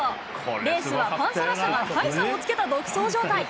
レースはパンサラッサが大差をつけた独走状態。